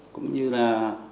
cũng như là